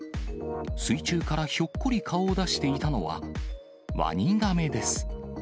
水中からひょっこり顔を出していたのはワニガメです。